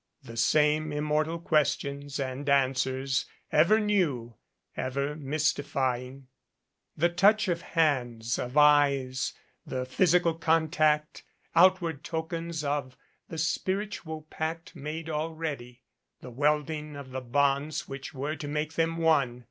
The same immortal questions and answers, ever new, ever mystifying! The touch of hands, of eyes, the physical contact, outward tokens of the spiritual pact made al ready, the welding of the bonds which were to make them one!